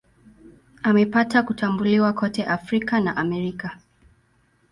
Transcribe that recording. Amepata kutambuliwa kote Afrika na Amerika.